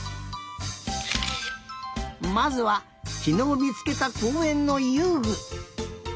まずはきのうみつけたこうえんのゆうぐ。